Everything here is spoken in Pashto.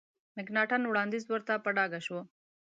مکناټن وړاندیز ورته په ډاګه شو.